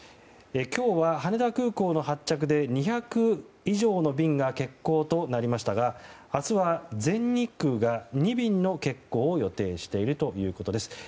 今日は羽田空港の発着で２００以上の便が欠航となりましたが明日は全日空が２便の欠航を予定しているということです。